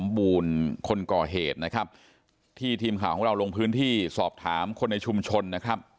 บูรณ์คนก่อเหตุนะครับที่ทีมข่าวของเราลงพื้นที่สอบถามคนในชุมชนนะครับ